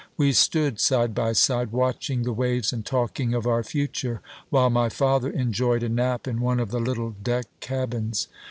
We stood side by side, watching the waves and talking of our future, while my father enjoyed a nap in one of the little deck cabins.